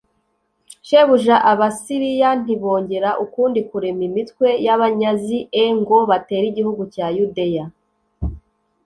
shebuja Abasiriya ntibongera ukundi kurema imitwe y abanyazi e ngo batere igihugu cya yudeya